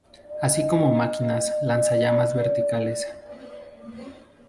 Así como máquinas lanzallamas verticales.